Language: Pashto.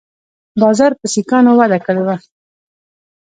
بازار په سیکانو وده کړې وه